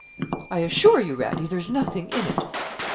I assure you, Radie, there's nothing in it.'